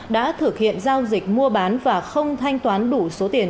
đã thực hiện giao dịch mua bán và không thanh toán đủ số tiền